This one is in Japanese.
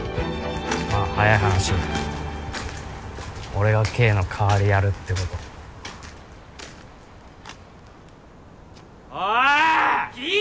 まあ早い話俺がＫの代わりやるってことオーイ！